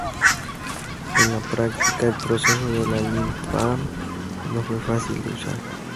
En la práctica, el proceso de Lippmann no fue fácil de usar.